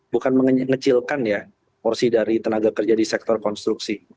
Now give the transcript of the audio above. bukan mengecilkan ya porsi dari tenaga kerja di sektor konstruksi